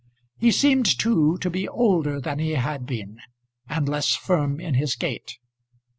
He seemed too to be older than he had been, and less firm in his gait.